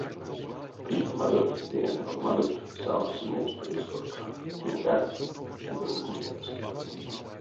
Пижнемадонть ды энялдомадонть савсь симемс пель стопка, теньгак — судонь кундазь.